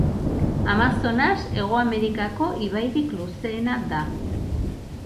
Amazonas Hego Amerikako ibairik luzeena da.